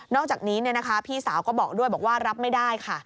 อกจากนี้พี่สาวก็บอกด้วยบอกว่ารับไม่ได้ค่ะ